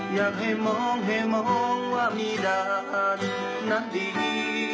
อยากให้มองให้มองว่ามีด่านนั้นดี